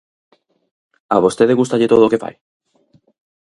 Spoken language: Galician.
A vostede gústalle todo o que fai?